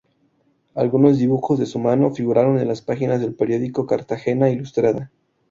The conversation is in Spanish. Algunos dibujos de su mano figuraron en las páginas del periódico "Cartagena Ilustrada".